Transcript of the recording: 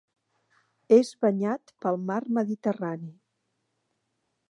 És banyat pel mar Mediterrani.